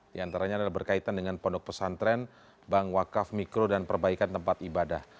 di antaranya adalah berkaitan dengan pondok pesantren bank wakaf mikro dan perbaikan tempat ibadah